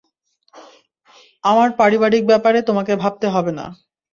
আমার পারিবারিক ব্যাপারে তোমাকে ভাবতে হবে না।